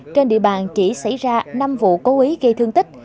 trên địa bàn chỉ xảy ra năm vụ cố ý gây thương tích